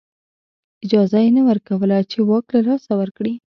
اجازه یې نه ورکوله چې واک له لاسه ورکړي.